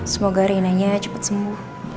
semoga reina nya cepet sembuh